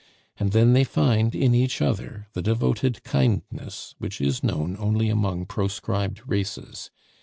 And then they find in each other the devoted kindness which is known only among proscribed races.